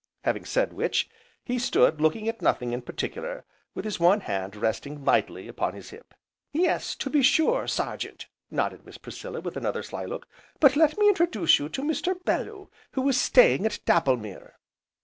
Having said which, he stood looking at nothing in particular, with his one hand resting lightly upon his hip. "Yes, to be sure, Sergeant," nodded Miss Priscilla, with another sly look. "But let me introduce you to Mr. Bellew who is staying at Dapplemere."